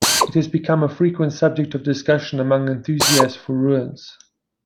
It has become a frequent subject of discussion among enthusiasts for ruins.